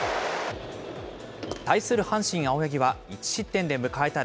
対する阪神、青柳は１失点で迎えた